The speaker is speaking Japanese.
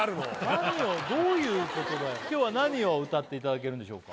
何をどういうことだよ今日は何を歌っていただけるんでしょうか？